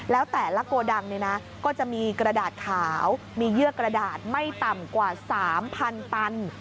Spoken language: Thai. แล้วแต่ละโกดังเนี่ยนะก็จะมีกระดาษขาวมีเยื่อกระดาษไม่ต่ำกว่า๓๐๐๐ตัน